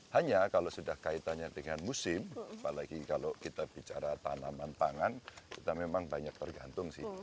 hanya kalau sudah kaitannya dengan musim apalagi kalau kita bicara tanaman pangan kita memang banyak tergantung sih